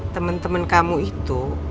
temen temen kamu itu